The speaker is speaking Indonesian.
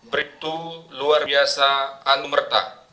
beribtu luar biasa anumerta